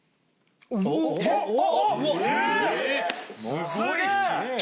すげえ！